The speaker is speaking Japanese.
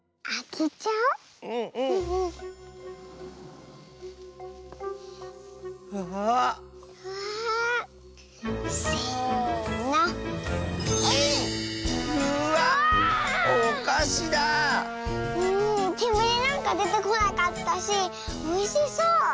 けむりなんかでてこなかったしおいしそう。